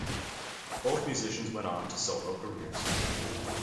Both musicians went on to solo careers.